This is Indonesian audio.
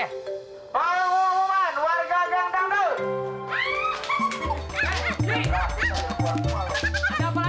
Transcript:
pengumuman warga gang dangdut